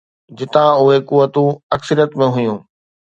جتان اهي قوتون اڪثريت ۾ هيون.